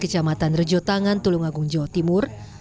kecamatan rejotangan tulungagung jawa timur